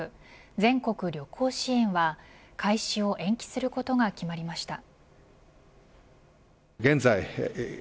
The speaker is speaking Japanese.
全国旅行支援は開始を延期することが決まりました。